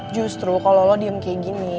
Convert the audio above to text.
justru kalau lolo diem kayak gini